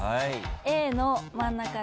Ａの真ん中で。